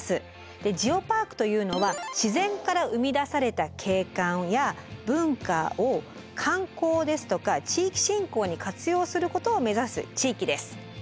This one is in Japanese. ジオパークというのは自然から生み出された景観や文化を観光ですとか地域振興に活用することを目指す地域です。